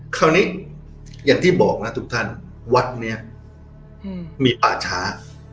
คราวนี้อย่างที่บอกนะทุกท่านวัดนี้มีป่าช้า